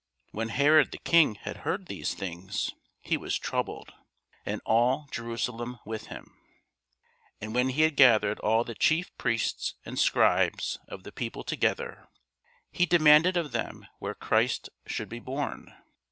When Herod the king had heard these things, he was troubled, and all Jerusalem with him. And when he had gathered all the chief priests and scribes of the people together, he demanded of them where Christ should be born.